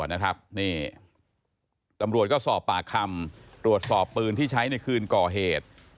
นี่ตำรวจก็สอบปากคำตรวจสอบปืนที่ใช้ในคืนก่อเหตุ